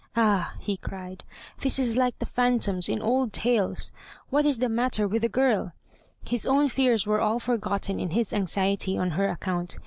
"Ah!" he cried, "this is like the phantoms in old tales. What is the matter with the girl?" His own fears were all forgotten in his anxiety on her account.